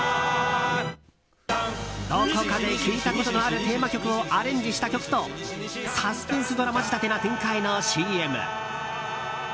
どこかで聴いたことのあるテーマ曲をアレンジした曲とサスペンスドラマ仕立てな展開のＣＭ。